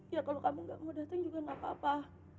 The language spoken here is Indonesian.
ya kalau kamu nggak mau datang juga nggak apa apa